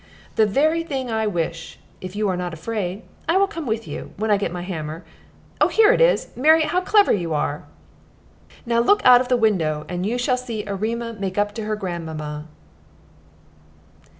"The very thing I wish if you are not afraid. I will come with you, when I get my hammer. Oh, here it is! Mary, how clever you are! Now look out of the window, and you shall see Erema make up to her grandmamma."